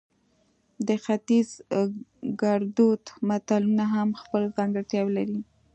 د ختیز ګړدود متلونه هم خپل ځانګړتیاوې لري